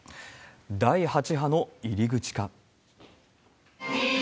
第８波の入り口か。